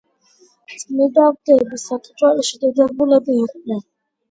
წმინდანები ქართველი დიდებულები იყვნენ.